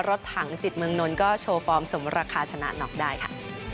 รถถังจิตเมืองนนท์ก็โชว์ฟอร์มสมราคาชนะน็อกได้ค่ะ